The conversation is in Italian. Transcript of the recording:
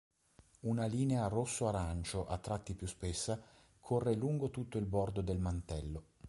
Una linea rosso-arancio, a tratti più spessa, corre lungo tutto il bordo del mantello.